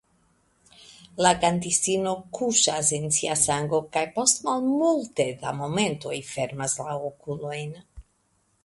La kantistino kuŝas en sia sango kaj post malmulte da momentoj fermas la okulojn.